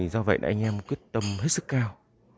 do vậy anh em quyết tâm hết sức cao